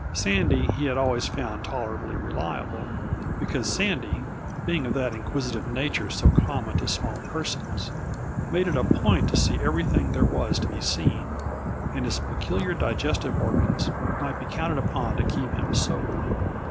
Sandy he had always found tolerably reliable, because Sandy, being of that inquisitive nature so common to small persons, made it a point to see everything there was to be seen; and his peculiar digestive organs might be counted upon to keep him sober.